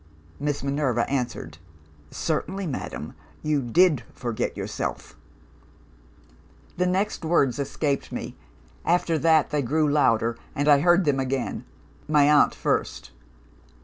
"Miss Minerva answered, 'Certainly, madam. You did forget yourself.' "The next words escaped me. After that, they grew louder; and I heard them again my aunt first.